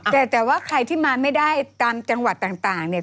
แต่ว่าใครที่มาไม่ได้ตามจังหวัดต่างเนี่ย